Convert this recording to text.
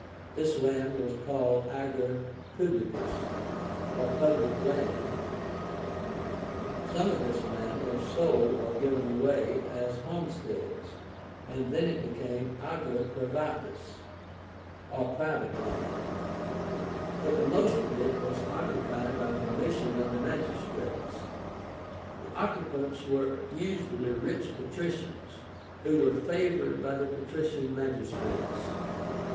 This land was called AGER PUBLICUS, or public land. Some of this land was sold or given away as "homesteads," and then it became AGER PRIVÁTUS, or private land. But the most of it was occupied by permission of the magistrates. The occupants were usually rich patricians, who were favored by the patrician magistrates.